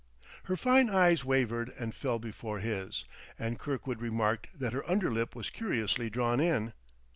Her fine eyes wavered and fell before his; and Kirkwood remarked that her under lip was curiously drawn in.